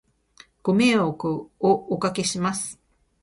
ご迷惑をお掛けします